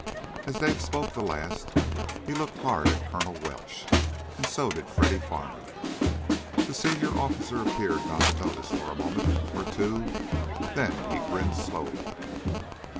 As Dave spoke the last he looked hard at Colonel Welsh, and so did Freddy Farmer. The senior officer appeared not to notice for a moment or two. Then he grinned slowly.